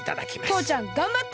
とうちゃんがんばって！